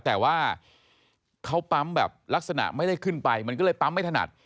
แต่ว่าเขาปั๊มแบบลักษณะไม่ได้ขึ้นไปมันก็เลยปั๊มไม่ถนัด